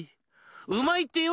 うまいってよ。